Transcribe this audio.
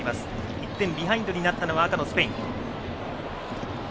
１点ビハインドになったのは赤のスペイン。